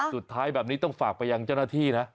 สุดท้ายแบบนี้ต้องฝากไปยังเจ้าหน้าที่นะ